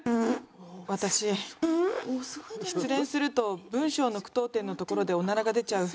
私失恋すると文章の句読点のところでおならが出ちゃう。